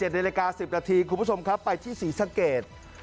๗นาฬิกา๑๐นาทีคุณผู้ชมครับไปที่ศรีสะเกด